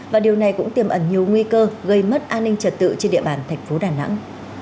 và điều này cũng tiềm ẩn nhiều nguy cơ gây mất an ninh trật tự trên địa bàn thành phố đà nẵng